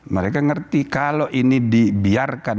mereka ngerti kalau ini dibiarkan